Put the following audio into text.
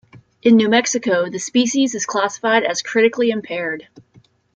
In New Mexico, the species is classified as "critically impaired".